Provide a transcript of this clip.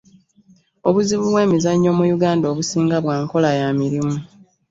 Obuzibu bw'emizannyo mu Uganda obusinga bwa nkola ya mirimu.